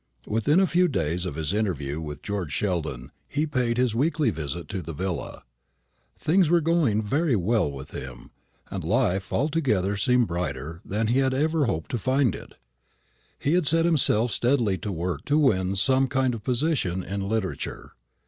Within a few days of his interview with George Sheldon he paid his weekly visit to the villa. Things were going very well with him, and life altogether seemed brighter than he had ever hoped to find it. He had set himself steadily to work to win some kind of position in literature.